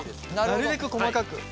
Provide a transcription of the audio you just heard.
なるべく細かく。